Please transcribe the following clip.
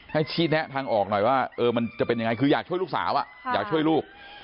ให้ชี้แนะทางออกหน่อยว่ามันจะเป็นยังไงคืออยากช่วยลูกสาวอยากช่วยลูก